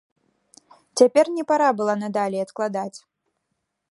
Цяпер не пара была надалей адкладаць.